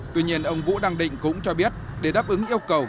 tuy nhiên ông vũ đăng định cũng cho biết để đáp ứng yêu cầu